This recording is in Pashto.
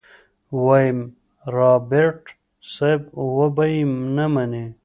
ويم رابرټ صيب وبه يې نه منې.